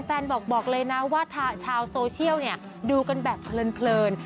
บอกเลยนะว่าชาวโซเชียลดูกันแบบเพลิน